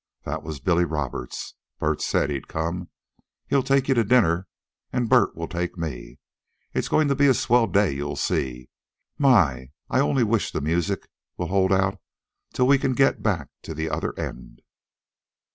"That was Billy Roberts. Bert said he'd come. He'll take you to dinner, and Bert'll take me. It's goin' to be a swell day, you'll see. My! I only wish the music'll hold out till we can get back to the other end."